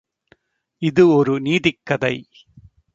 இது ஒரு நீதிக் கதை.